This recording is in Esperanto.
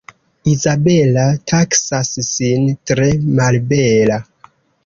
Izabela taksas sin tre malbela.